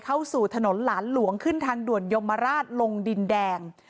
เข้าสู่ถนนหลานหลวงขึ้นทางด่วนยมราชลงดินแดง